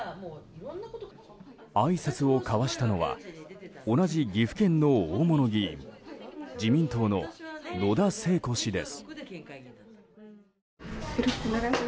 あいさつを交わしたのは同じ岐阜県の大物議員自民党の野田聖子氏です。